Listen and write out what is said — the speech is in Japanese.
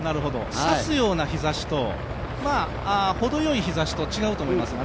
刺すような日差しとほどよい日差しは違うと思いますよね。